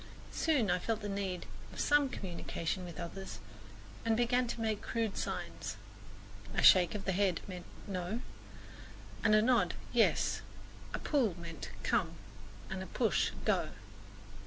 Soon I felt the need of some communication with others and began to make crude signs. A shake of the head meant "No" and a nod, "Yes," a pull meant "Come" and a push, "Go."